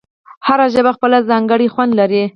هره ژبه خپل ځانګړی خوند لري.